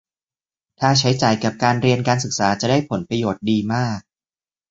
ถ้าใช้จ่ายกับการเรียนการศึกษาจะได้ผลประโยชน์ดีมาก